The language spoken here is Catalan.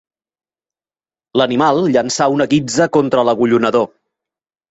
L'animal llançà una guitza contra l'agullonador.